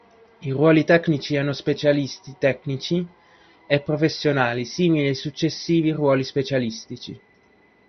I ruoli tecnici erano specialisti tecnici e professionali simili ai successivi ruoli specialistici.